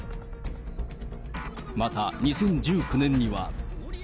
また２０１９年には。